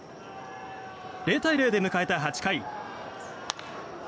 ０対０で迎えた８回。